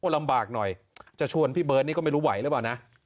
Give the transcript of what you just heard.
ลำบากหน่อยจะชวนพี่เบิร์ตนี่ก็ไม่รู้ไหวหรือเปล่านะ